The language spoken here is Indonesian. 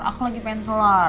aku lagi pengen telur